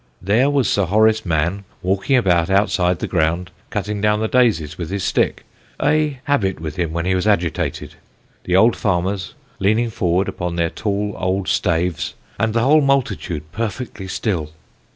There was Sir Horace Mann, walking about outside the ground, cutting down the daisies with his stick a habit with him when he was agitated; the old farmers leaning forward upon their tall old staves, and the whole multitude perfectly still.